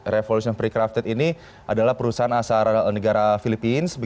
revolution precrafted ini adalah perusahaan asal negara filipina